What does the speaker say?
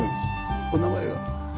お名前は？